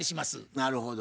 なるほど。